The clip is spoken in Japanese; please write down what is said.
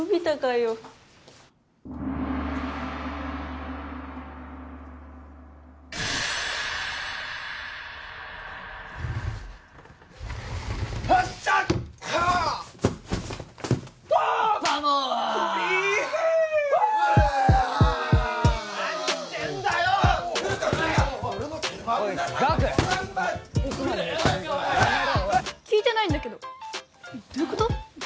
いつまで聞いてないんだけどどういうこと？